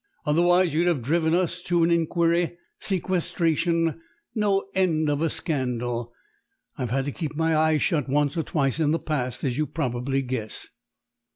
Otherwise, you'd have driven us to an inquiry, sequestration, no end of a scandal. I've had to keep my eyes shut once or twice in the past, as you probably guess."